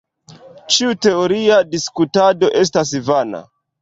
Ĉiu teoria diskutado estas vana.